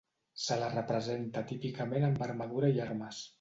Se la representa típicament amb armadura i armes.